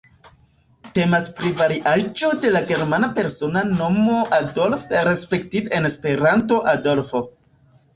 Temas pri variaĵo de la germana persona nomo Adolf respektive en Esperanto Adolfo.